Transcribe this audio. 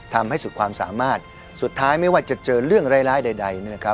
ทำให้สุดความสามารถสุดท้ายไม่ว่าจะเจอเรื่องร้ายใด